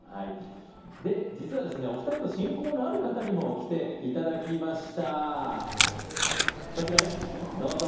実はお二人と親交のある方にも来ていただきました。